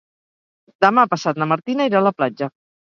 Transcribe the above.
Demà passat na Martina irà a la platja.